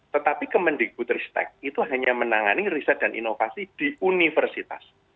tetapi kementerian likbud risetek itu hanya menangani riset dan inovasi di universitas